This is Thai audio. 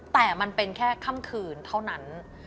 แต่มันเป็นแค่ค่ำคืนเท่านั้น